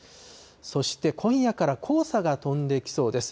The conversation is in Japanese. そして今夜から黄砂が飛んできそうです。